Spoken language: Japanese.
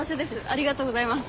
ありがとうございます。